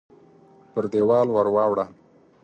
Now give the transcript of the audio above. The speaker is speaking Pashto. پر دېوال ورواړوه !